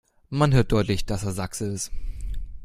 Man hört deutlich, dass er Sachse ist.